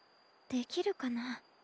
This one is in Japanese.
できるかな。